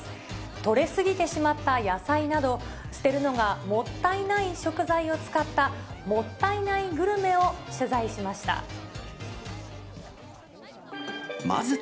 取れ過ぎてしまった野菜など、捨てるのがもったいない食材を使った、もったいないグルメを取材しました。